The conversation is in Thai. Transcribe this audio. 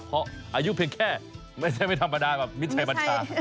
เพราะอายุเพียงแค่ไม่ใช่ไม่ธรรมดากับมิตรชัยบัญชา